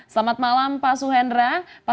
selamat malam pak suhendra